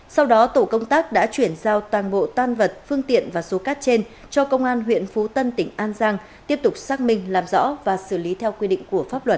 sau đó tổ công tác đã chuyển giao toàn bộ tan vật phương tiện và số cát trên cho công an huyện phú tân tỉnh an giang tiếp tục xác minh làm rõ và xử lý theo quy định của pháp luật